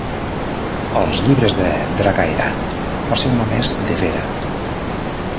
Als llibres de Dragaeran el seu nom és Devera.